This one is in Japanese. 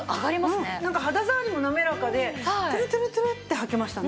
なんか肌触りも滑らかでテュルテュルテュルってはけましたね。